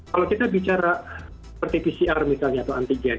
kalau kita bicara seperti pcr misalnya atau antigen